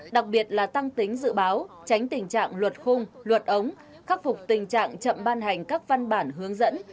đặc biệt là tăng tính dự báo tránh tình trạng luật khung luật ống khắc phục tình trạng chậm ban hành các văn bản hướng dẫn